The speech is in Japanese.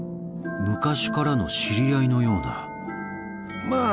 昔からの知り合いのようなまあ